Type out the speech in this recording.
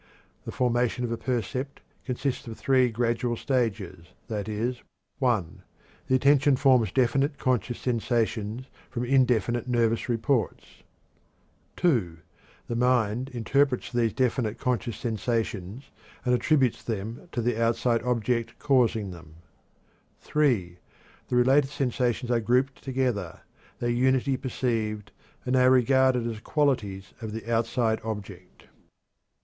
The formation of a percept consists of three gradual stages, viz.: (1) The attention forms definite conscious sensations from indefinite nervous reports; (2) the mind interprets these definite conscious sensations and attributes them to the outside object causing them; (3) the related sensations are grouped together, their unity perceived, and they are regarded as qualities of the outside object.